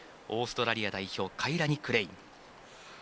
オーストラリア代表カイラニ・クレイン。